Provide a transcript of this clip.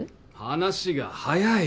話が早い。